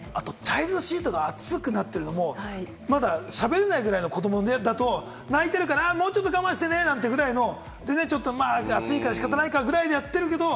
あとチャイルドシートが熱くなってるのも、まだ喋れないぐらいの子どもだと、泣いてるからもうちょっと我慢してねぐらいの、暑いから仕方ないかぐらいでやってるけれども。